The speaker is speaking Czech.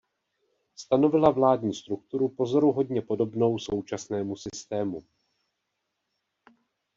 Stanovila vládní strukturu pozoruhodně podobnou současnému systému.